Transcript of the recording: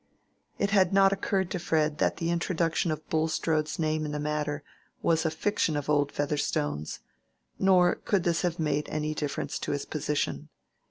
It had not occurred to Fred that the introduction of Bulstrode's name in the matter was a fiction of old Featherstone's; nor could this have made any difference to his position.